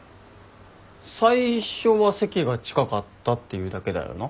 最初は席が近かったっていうだけだよな。